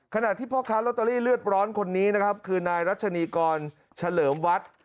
ขณะที่พ่อค้าลอตเตอรี่เลือดร้อนคนนี้นะครับคือนายรัชนีกรเฉลิมวัด